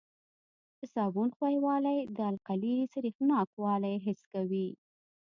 د صابون ښویوالی د القلي سریښناکوالی حس کوي.